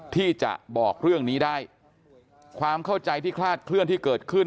ที่จะบอกเรื่องนี้ได้ความเข้าใจที่คลาดเคลื่อนที่เกิดขึ้น